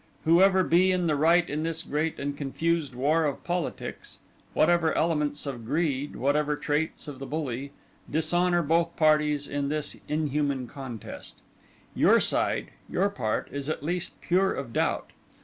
Whoever be in the right in this great and confused war of politics; whatever elements of greed, whatever traits of the bully, dishonour both parties in this inhuman contest;—your side, your part, is at least pure of doubt.